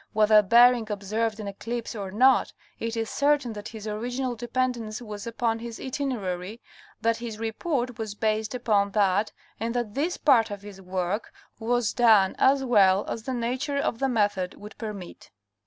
Whether Bering observed an eclipse or not, it is certain that his original dependence was upon his itinerary, that his report was based upon that and that this part of his work was done as well as the nature of the method would permit.